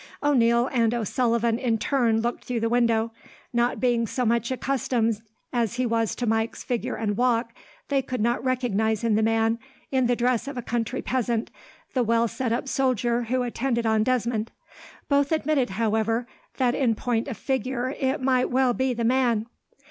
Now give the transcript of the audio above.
O'Neil and O'Sullivan in turn looked through the window. Not being so much accustomed as he was to Mike's figure and walk, they could not recognize in the man, in the dress of a country peasant, the well set up soldier who attended on Desmond. Both admitted, however, that in point of figure it might well be the man.